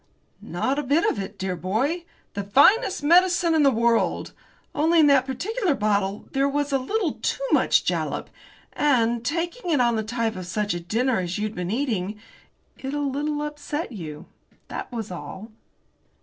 "Not a bit of it, dear boy! The finest medicine in the world! Only in that particular bottle there was a little too much jalap, and, taking it on the top of such a dinner as you'd been eating, it a little upset you that was all."